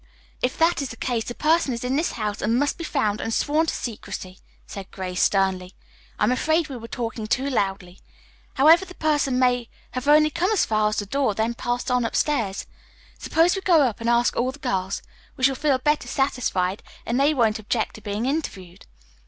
"If that is the case, the person is in this house and must be found and sworn to secrecy," said Grace sternly. "I am afraid we were talking too loudly. However, the person may have only come as far as the door, then passed on upstairs. Suppose we go up and ask all the girls. We shall feel better satisfied, and they won't object to being interviewed."